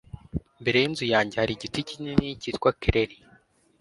Mbere yinzu yanjye hari igiti kinini cyitwa kireri.